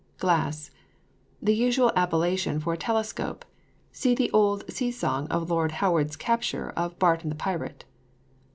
GLASS. The usual appellation for a telescope (see the old sea song of Lord Howard's capture of Barton the pirate).